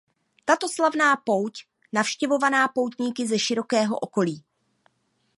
Tato slavná pouť navštěvovaná poutníky ze širokého okolí.